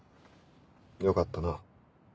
よかったな。